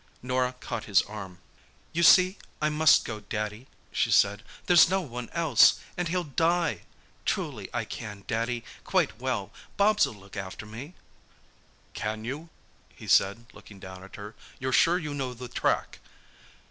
Norah caught his arm. "You see, I must go, Daddy," she said. "There's no one else—and he'll die! Truly I can, Daddy—quite well. Bobs'll look after me." "Can you?" he said, looking down at her. "You're sure you know the track?"